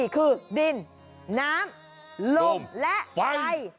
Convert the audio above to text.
คือดินน้ำลมและไฟ